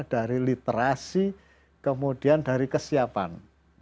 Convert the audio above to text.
dari literasi kemudian dari kesiapan